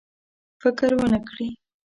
فکر ونه کړي.